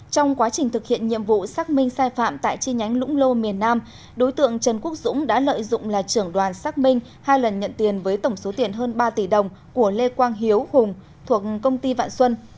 trong quá trình thực hiện nhiệm vụ xác minh sai phạm tại chi nhánh lũng lô miền nam đối tượng trần quốc dũng đã lợi dụng là trưởng đoàn xác minh hai lần nhận tiền với tổng số tiền hơn ba tỷ đồng của lê quang hiếu hùng thuộc công ty vạn xuân